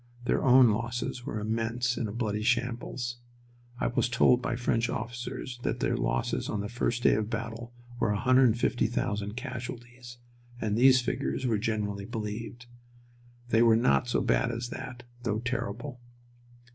Their own losses were immense in a bloody shambles. I was told by French officers that their losses on the first day of battle were 150,000 casualties, and these figures were generally believed. They were not so bad as that, though terrible.